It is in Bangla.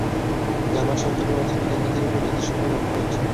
জাপান সরকারের অর্থনৈতিক নীতির উপর যথেষ্ট প্রভাব রয়েছে।